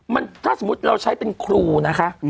มันถ้าสมมุติเราใช้เป็นครูนะคะ